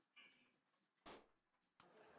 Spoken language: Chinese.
属福州长乐郡。